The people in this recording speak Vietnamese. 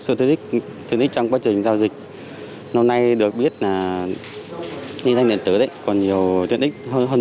đối với thực hiện thao tác trên môi trường mạng đặc biệt là các dịch vụ liên quan đến ngân hàng tài khoản